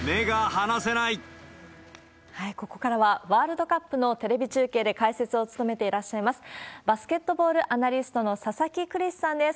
ここからは、ワールドカップのテレビ中継で解説を務めていらっしゃいます、バスケットボールアナリストの佐々木クリスさんです。